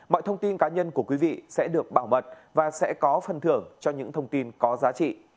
mọi thông tin cá nhân của quý vị sẽ được bảo mật và sẽ có phần thưởng cho những thông tin có giá trị